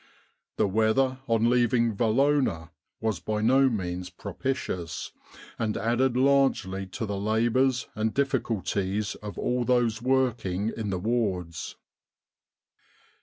The weather on leaving Valona was by no means propitious, and added largely to the labours and difficulties of all those working in the wards.